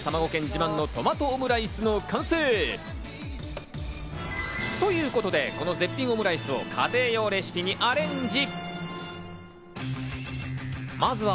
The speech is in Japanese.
自慢のトマトオムライスの完成。ということで、この絶品オムライスを家庭用レシピにアレンジ。